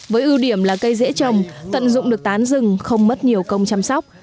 với ưu điểm là cây dễ trồng tận dụng được tán rừng không mất nhiều công chăm sóc